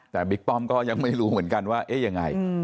แต่บิ๊กป้อมก็ยังไม่รู้เหมือนกันว่าเอ๊ะยังไง